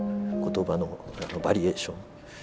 言葉のバリエーション。